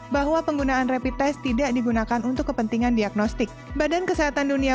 bahwa penggunaan rapid test tidak digunakan untuk kepentingan diagnostik badan kesehatan dunia